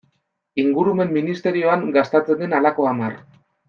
Ingurumen ministerioan gastatzen den halako hamar.